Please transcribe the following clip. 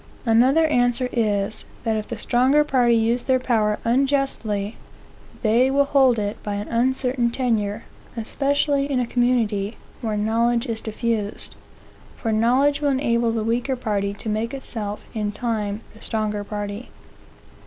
Another answer is, that if the stronger party use their power unjustly, they will hold it by an uncertain tenure, especially in a community where knowledge is diffused; for knowledge will enable the weaker party to make itself in time the stronger party.